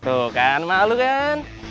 tuh kan malu kan